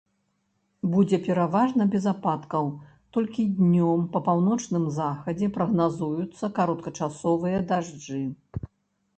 Будзе пераважна без ападкаў, толькі днём па паўночным захадзе прагназуюцца кароткачасовыя дажджы.